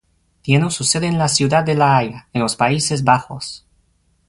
Tiene su sede en la ciudad de La Haya, en los Países Bajos.